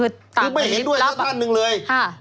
ดรไม่เห็นด้วยก็ต่านึงเลยค่ะ